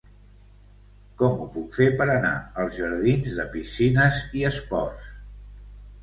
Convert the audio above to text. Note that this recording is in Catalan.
Com ho puc fer per anar als jardins de Piscines i Esports?